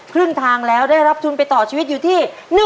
ครึ่งทางแล้วได้รับทุนไปต่อชีวิตอยู่ที่